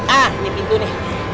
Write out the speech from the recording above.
ah ini pintunya